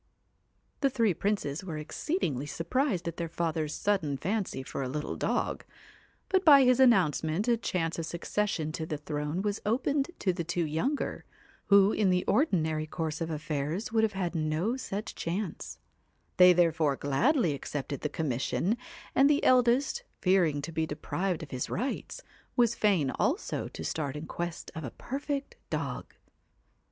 CAT The three princes were exceedingly surprised at their father's sudden fancy for a little dog, but by his announcement a chance of succession to the throne was opened to the two younger, who in the ordinary course of affairs would have had no such chance; they therefore gladly accepted the com mission, and the eldest, fearing to be deprived of his rights, was fain also to start in quest of a perfect dog.